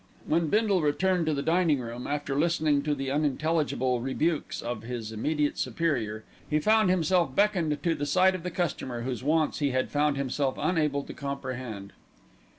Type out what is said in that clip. When Bindle returned to the dining room, after listening to the unintelligible rebukes of his immediate superior, he found himself beckoned to the side of the customer whose wants he had found himself unable to comprehend.